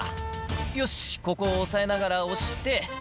よし、ここを押さえながら押して。